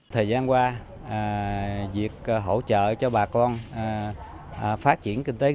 thời gian qua việc hỗ trợ cho bà con phát triển kinh tế